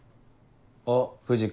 あっ藤君